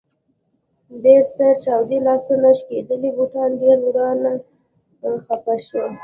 ببر سر، چاودې لاسونه ، شکېدلي بوټان ډېر ورته خفه شو.